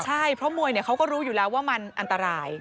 ใช่เพราะมวยเขาก็รู้อยู่แล้วว่ามันอันตราย